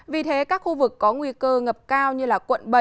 vì thế các khu vực có nguy cơ ngập cao như quận bảy